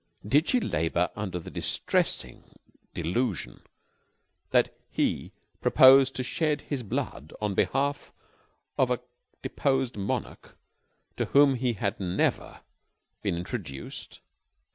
Did she labor under the distressing delusion that he proposed to shed his blood on behalf of a deposed monarch to whom he had never been introduced?